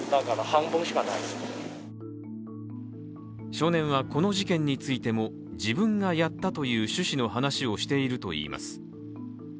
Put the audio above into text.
少年はこの事件についても、自分がやったという趣旨の話をしているといいます。